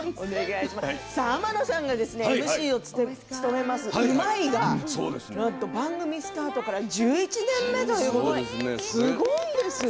天野さんがＭＣを務める「うまいッ！」が番組スタートから１１年目ということですごいですね。